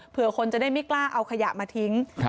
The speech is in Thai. เพื่อคนจะได้ไม่กล้าเอาขยะมาทิ้ง